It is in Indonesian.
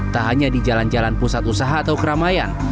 tak hanya di jalan jalan pusat usaha atau keramaian